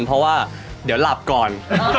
เพราะว่าเดี๋ยวหลับก่อน